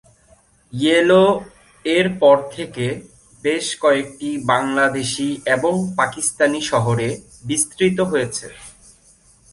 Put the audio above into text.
Yellow এর পর থেকে বেশ কয়েকটি বাংলাদেশী এবং পাকিস্তানি শহরে বিস্তৃত হয়েছে।